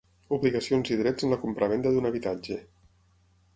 Obligacions i drets en la compravenda d'un habitatge.